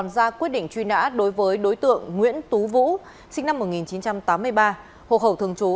ra quyết định truy nã đối với đối tượng nguyễn tú vũ sinh năm một nghìn chín trăm tám mươi ba hộ khẩu thường trú